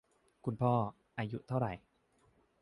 คุณพ่อ อายุเท่าไหร